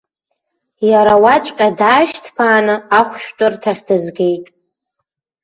Иара уаҵәҟьа даашьҭԥааны ахәшәтәырҭахь дызгеит.